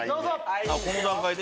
この段階で？